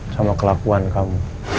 sama kelakuan kamu